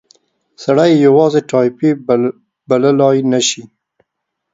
سړی یې یوازې ټایپي بللای نه شي.